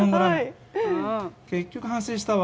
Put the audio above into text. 結局、反省したわ。